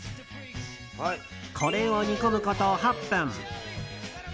これを煮込むこと８分。